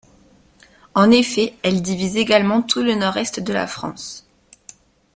En effet, elle divise également tout le nord-est de la France.